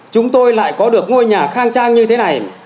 chúng tôi lại có được ngôi nhà khang trang như thế này